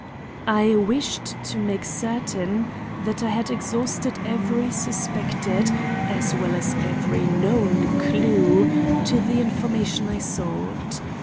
I wished to make certain that I had exhausted every suspected, as well as every known clue, to the information I sought.